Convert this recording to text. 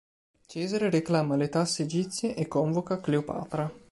Cesare reclama le tasse egizie e convoca Cleopatra.